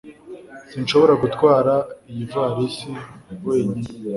sinshobora gutwara iyivalisi wenyine